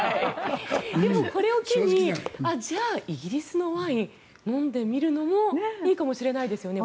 でも、これを機にじゃあ、イギリスのワインを飲んでみるのもいいかもしれないですよね。